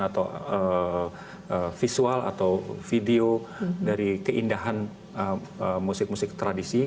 atau visual atau video dari keindahan musik musik tradisi